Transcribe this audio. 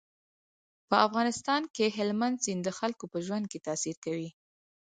په افغانستان کې هلمند سیند د خلکو په ژوند تاثیر کوي.